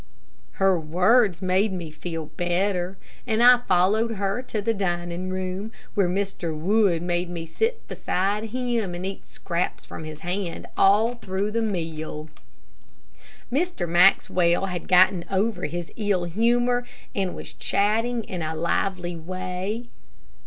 Her words made me feel better, and I followed her to the dining room, where Mr. Wood made me sit beside him and eat scraps from his hand all through the meal. Mr. Maxwell had got over his ill humor, and was chatting in a lively way.